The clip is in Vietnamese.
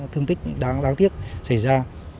thương tích đáng tiếc xảy ra